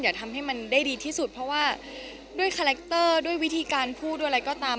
อย่าทำให้มันได้ดีที่สุดเพราะว่าด้วยคาแรคเตอร์ด้วยวิธีการพูดด้วยอะไรก็ตาม